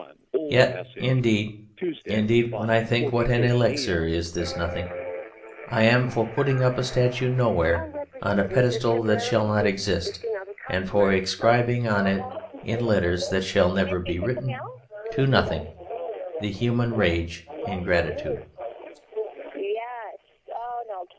Yet ... indeed, indeed when I think what an Elixir is this Nothing I am for putting up a statue nowhere, on a pedestal that shall not exist, and for inscribing on it in letters that shall never be written: TO NOTHING THE HUMAN RACE IN GRATITUDE.